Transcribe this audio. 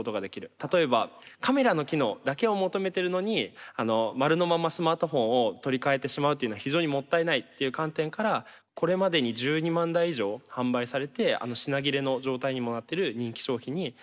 例えばカメラの機能だけを求めてるのに丸のままスマートフォンを取り替えてしまうというのは非常にもったいないっていう観点からこれまでに１２万台以上販売されて品切れの状態にもなってる人気商品になっております。